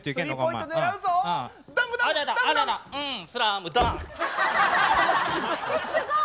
えすごい！